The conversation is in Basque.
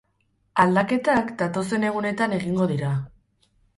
Aldaketak datozen egunetan egingo dira.